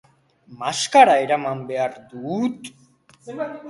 Maskara eraman behar dut?